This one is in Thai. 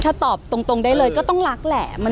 ถ้าตอบตรงได้เลยก็ต้องรักแหละ